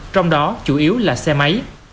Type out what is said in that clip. trong đó chủ yếu là xe máy